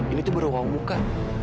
ini tuh baru uang buka